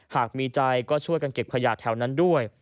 หากมีใจก็ช่วยกันเก็บขยะแถวนั้นด้วย